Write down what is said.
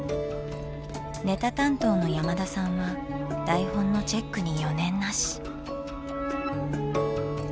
ネタ担当の山田さんは台本のチェックに余念なし。